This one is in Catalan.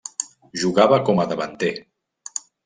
Jugava com a davanter.